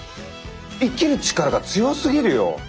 生きる力が強すぎるよ。